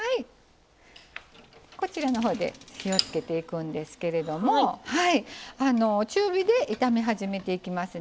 こちらのほうで火を付けていくんですけれども中火で炒め始めていきます。